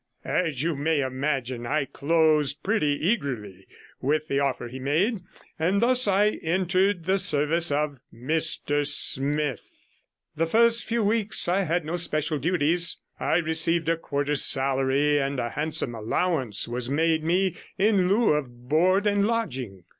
As you may imagine, I closed pretty eagerly with the offer he made, and thus I entered the service of Mr Smith. The first few weeks I had no special duties; I received a quarter's salary, and a handsome allowance was made me in lieu of board and lodging.